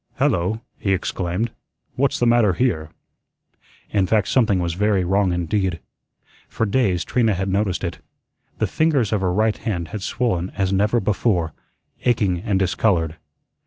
"Hello," he exclaimed, "what's the matter here?" In fact something was very wrong indeed. For days Trina had noticed it. The fingers of her right hand had swollen as never before, aching and discolored.